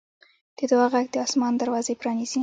د دعا غږ د اسمان دروازې پرانیزي.